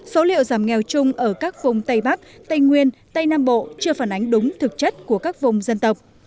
số liệu giảm nghèo chung ở các vùng tây bắc tây nguyên tây nam bộ chưa phản ánh đúng thực chất của các vùng dân tộc